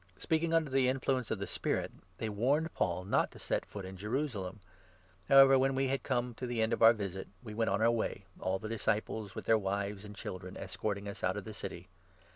Speaking under the influence of the Spirit, they warned Paul not to set foot in Jerusalem. However, when we had come to the end of our visit, we 5 went on our way, all the disciples with their wives and children escorting us out of the city.